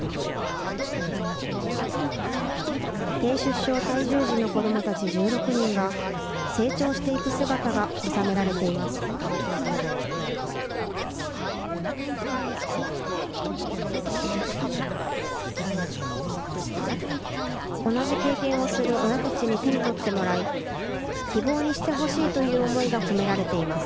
低出生体重児の子どもたち１６人が成長していく姿が収められています。